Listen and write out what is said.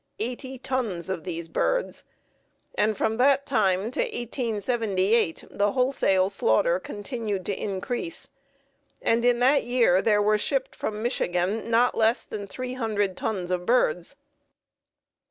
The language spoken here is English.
eighty tons of these birds; and from that time to 1878 the wholesale slaughter continued to increase, and in that year there were shipped from Michigan not less than three hundred tons of birds.